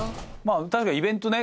確かにイベントね